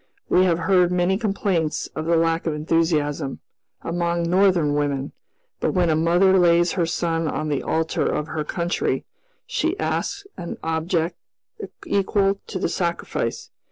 We have heard many complaints of the lack of enthusiasm, among Northern women; but when a mother lays her son on the altar of her country, she asks an object equal to the sacrifice.